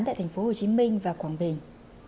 tại thành phố hồ chí minh và quảng bình